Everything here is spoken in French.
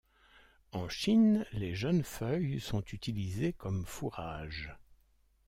En Chine les jeunes feuilles sont utilisées comme fourrage.